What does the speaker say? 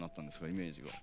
イメージが。